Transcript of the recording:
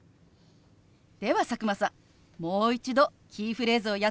では佐久間さんもう一度キーフレーズをやってみましょう。